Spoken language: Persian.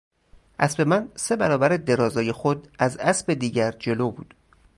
اسب من سه برابر درازای خود از اسب دیگر جلو بود.